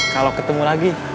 kalau ketemu lagi